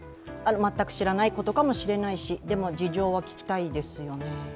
全く知らないことかもしれないし、でも事情は聴きたいですよね。